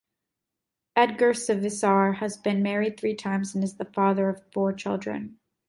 Edgar Savisaar has been married three times and is the father of four children.